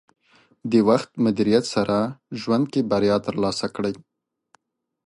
د وخت مدیریت سره ژوند کې بریا ترلاسه کړئ.